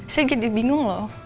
saya jadi bingung loh